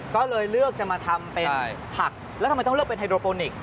ก็เลยเลือกจะมาทำเป็นผักแล้วทำไมต้องเลือกเป็นไฮโดโปนิกส